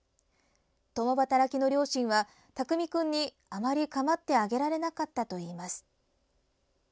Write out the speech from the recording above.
共働きの両親は巧君にあまり構ってあげられなかったといいます。